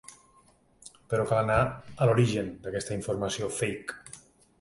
Però cal anar a l’origen d’aquesta informació ‘fake’.